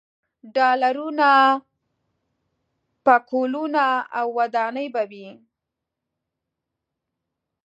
ډالرونه، پکولونه او ودانۍ به وي.